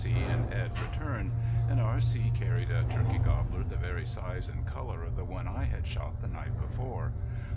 C. and Edd returned; and R.C. carried a turkey gobbler the very size and color of the one I had shot the night before.